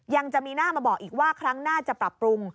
ยังมีหน้ามาบอกอีกว่าครั้งหน้าจะปรับปรุง